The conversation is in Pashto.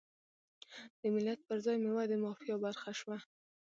د ملت پر ځای میوه د مافیا برخه شوه.